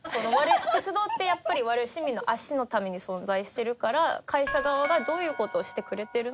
鉄道ってやっぱり我々市民の足のために存在してるから会社側がどういう事をしてくれてるのか？